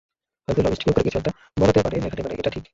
হয়তো লবিস্ট নিয়োগ করে কিছু কথা বলাতে পারে, লেখাতে পারে, এটা ঠিক।